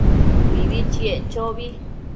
Mibi chiec chobi